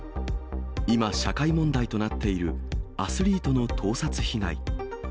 今、社会問題となっているアスリートの盗撮被害。